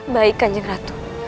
baik kanjeng ratu